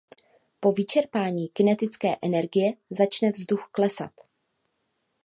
Po vyčerpání kinetické energie začne vzduch klesat.